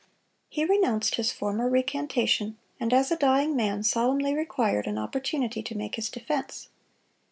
He renounced his former recantation, and as a dying man, solemnly required an opportunity to make his defense.